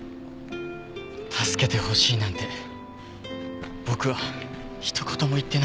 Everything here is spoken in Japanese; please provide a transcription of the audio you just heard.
助けてほしいなんて僕はひと言も言ってないのに。